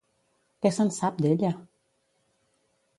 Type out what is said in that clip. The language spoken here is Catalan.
Què se'n sap, d'ella?